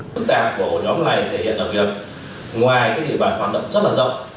phức tạp của nhóm này thể hiện là việc ngoài các địa bàn hoạt động rất là rộng